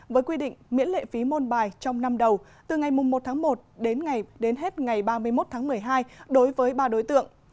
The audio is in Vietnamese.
với quy định miễn lệ phí môn bài trong năm đầu từ ngày một tháng một đến hết ngày ba mươi một tháng một mươi hai đối với ba đối tượng